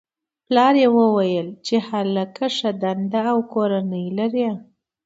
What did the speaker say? پلار یې ویل چې هلک ښه دنده او کورنۍ لري